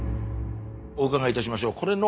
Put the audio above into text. お伺いいたしましょう。